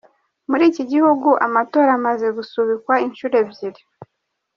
Muri iki gihugu amatora amaze gusubikwa inshuro ebyiri.